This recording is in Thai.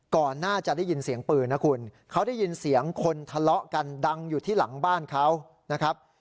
ก่อนหน้าจะได้ยินเสียงปืนนะคุณเขาได้ยินเสียงคนทะเลาะกันดังอยู่ที่หลังบ้านเขานะครับ